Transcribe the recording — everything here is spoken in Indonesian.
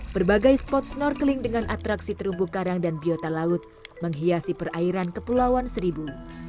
berbagai spot snorkeling dengan atraksi terumbu karang dan biota laut menghiasi perairan kepulauan seribu